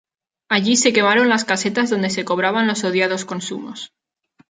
Allí se quemaron las casetas donde se cobraban los odiados consumos.